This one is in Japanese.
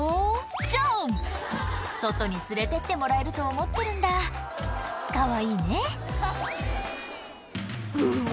外に連れてってもらえると思ってるんだかわいいねうわ